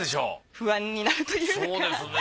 不安になるというか。